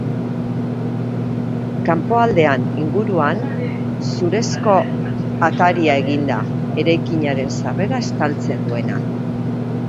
Kanpoaldean, inguruan, zurezko ataria egin da, eraikinaren sarrera estaltzen duena.